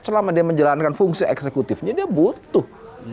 selama dia menjalankan fungsi eksekutifnya dia butuh